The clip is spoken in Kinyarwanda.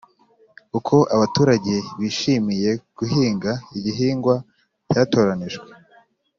Uko abaturage bishimiye guhinga igihingwa cyatoranijwe